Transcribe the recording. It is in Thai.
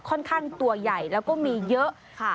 ค่อนข้างตัวใหญ่แล้วก็มีเยอะค่ะ